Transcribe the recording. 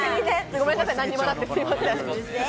ごめんなさい、何もなくて。